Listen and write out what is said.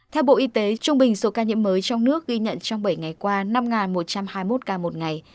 theo bộ y tế trung bình số ca nhiễm mới trong nước ghi nhận trong bảy ngày qua năm một trăm hai mươi một ca một ngày